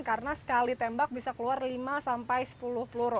karena sekali tembak bisa keluar lima sampai sepuluh peluru